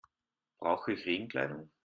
Brauche ich Regenkleidung?